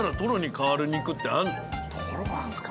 トロなんですか？